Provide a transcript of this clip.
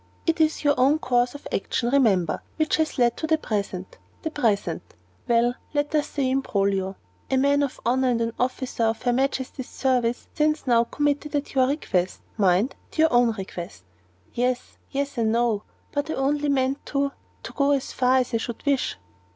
It is your own course of action, remember, which has led to the present the present well, let us say imbroglio. A man of honor and an officer of her Majesty's service stands now committed at your request mind, at your own request " "Yes, yes, I know; but I only meant you to to go as far as I should wish."